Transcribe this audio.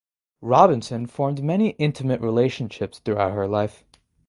Robinson formed many intimate relationships throughout her life.